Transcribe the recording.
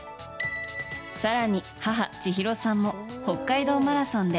更に、母・千洋さんも北海道マラソンで